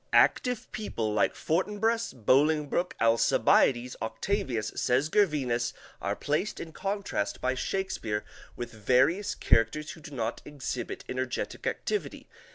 _, active people, like Fortinbras, Bolingbroke, Alcibiades, Octavius, says Gervinus, are placed in contrast, by Shakespeare, with various characters who do not exhibit energetic activity.